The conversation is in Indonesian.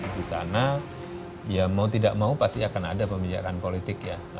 di sana ya mau tidak mau pasti akan ada pemijakan politik ya